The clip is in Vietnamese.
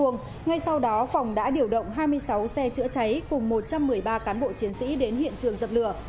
ngay sau đó phòng đã điều động hai mươi sáu xe chữa cháy cùng một trăm một mươi ba cán bộ chiến sĩ đến hiện trường dập lửa